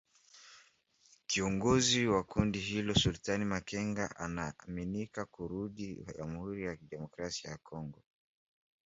Kiongozi wa kundi hilo Sultani Makenga anaaminika kurudi Jamhuri ya kidemokrasia ya Kongo.